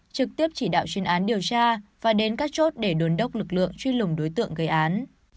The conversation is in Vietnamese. trực tiếp chỉ đạo chuyên án điều tra và đến các chốt để đồn đốc lực lượng truy lùng đối tượng gây án